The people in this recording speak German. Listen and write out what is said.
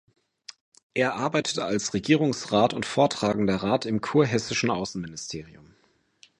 Er arbeitete als Regierungsrat und Vortragender Rat im kurhessischen Außenministerium.